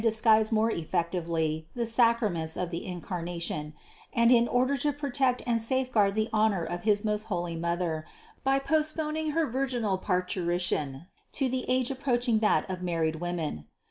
disguise more THE CONCEPTION 513 effectively the sacraments of the Incarnation, and in order to protect and safeguard the honor of his most holy Mother by postponing her virginal parturition to the age approaching that of married women.